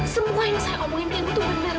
semua yang saya omongin ke ibu tuh benar bu